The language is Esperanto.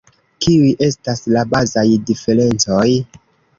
Kiuj estas la bazaj diferencoj?